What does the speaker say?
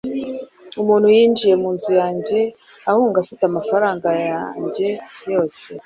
Umuntu yinjiye munzu yanjye ahunga afite amafaranga yanjye yose.